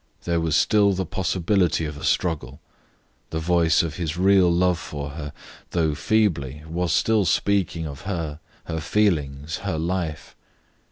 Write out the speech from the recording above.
There was still the possibility of a struggle. The voice of his real love for her, though feebly, was still speaking of her, her feelings, her life.